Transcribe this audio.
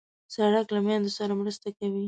سړک له میندو سره مرسته کوي.